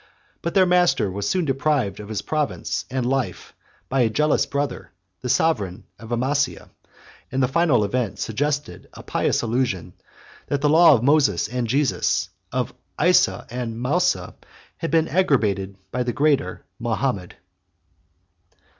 But their master was soon deprived of his province and life, by a jealous brother, the sovereign of Amasia; and the final event suggested a pious allusion, that the law of Moses and Jesus, of Isa and Mousa, had been abrogated by the greater Mahomet.